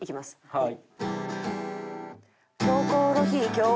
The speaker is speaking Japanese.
はい。